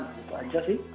itu saja sih